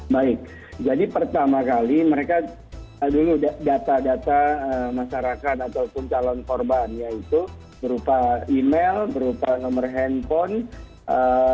baik jadi pertama kali mereka dulu data data masyarakat ataupun calon korban yaitu berupa email berupa nomor handphone